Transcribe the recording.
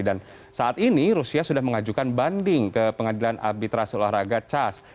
dan saat ini rusia sudah mengajukan banding ke pengadilan arbitrasi olahraga cas